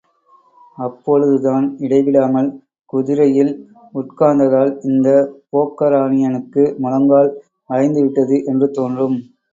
அப்பொழுதுதான், இடைவிடாமல் குதிரையில் உட்கார்ந்ததால் இந்த போக்கரானியனுக்கு முழங்கால் வளைந்துவிட்டது என்று தோன்றும்.